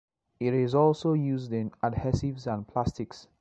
It is also used in adhesives and plastics.